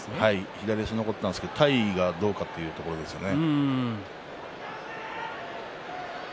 左足残ったんですけど体がどうか、というところですね。